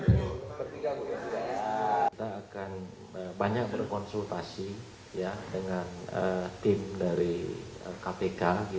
kita akan banyak berkonsultasi dengan tim dari kpk